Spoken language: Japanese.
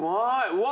うわ！